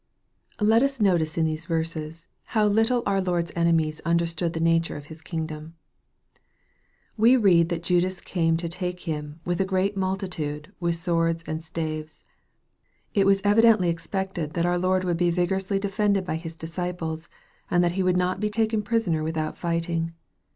LET us notice in these verses, how little our Lord's enemies understood the nature of His kingdom. We read that Judas came to take Him " with a great multitude, with swords and staves." It was evidently expected that our Lord would be vigorously defended by His disciples, and that He would not be taken prisoner without fighting.